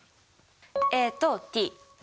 ＡとＴ。